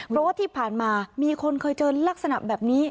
เพราะว่าที่ผ่านมามีคนเคยเจอลักษณะแบบนี้